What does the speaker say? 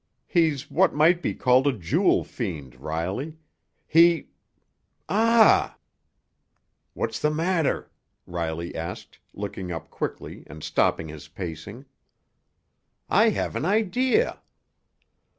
He's what might be called a jewel fiend, Riley. He—— Ah!" "What's the matter?" Riley asked, looking up quickly and stopping his pacing. "I have an idea."